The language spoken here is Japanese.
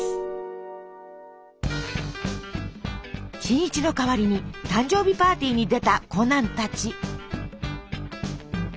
新一の代わりに誕生日パーティーに出たコナンたち。